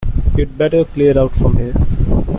We'd better clear out from here!